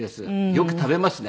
よく食べますね。